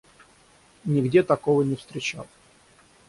Нигде такого не встречал.